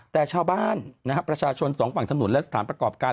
แต่ชาวบ้านนะฮะประชาชนสองฝั่งถนนและสถานประกอบการ